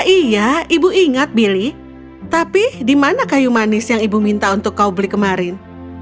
iya ibu ingat billy tapi di mana kayu manis yang ibu minta untuk kau beli kemarin